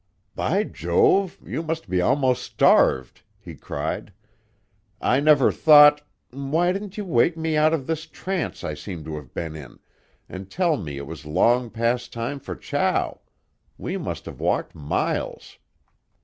"By Jove! You must be almost starved!" he cried. "I never thought why didn't you wake me out of this trance I seem to have been in, and tell me it was long past time for chow? We must have walked miles!"